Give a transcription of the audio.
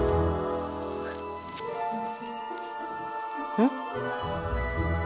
うん？